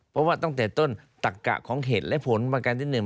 เพราะว่าตั้งแต่ต้นตักกะของเหตุและผลประการที่๑